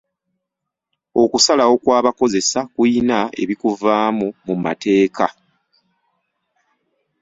Okusalawo kw'abakozesa kuyina ebikuvaamu mu mateeka.